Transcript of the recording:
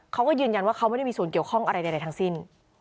เขาก็ยืนยันว่าเขาไม่ได้มีส่วนเกี่ยวข้องอะไรใดทั้งสิ้น